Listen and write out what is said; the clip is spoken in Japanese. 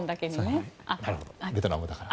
ベトナムだから。